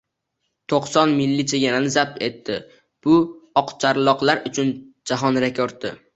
to‘qson milli chegarani zabt etdi. Bu oqcharloqlar uchun jahon rekordi!